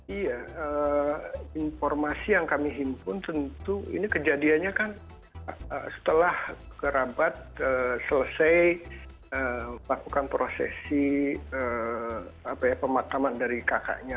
iya informasi yang kami himpun tentu ini kejadiannya kan setelah kerabat selesai melakukan prosesi pemakaman dari kakaknya